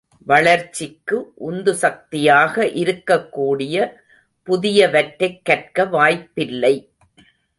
வளர்ச்சிக்கு உந்து சக்தியாக இருக்கக்கூடிய புதியவற்றைக் கற்க வாய்ப்பில்லை.